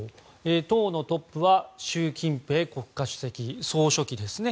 党のトップは習近平国家主席総書記ですね。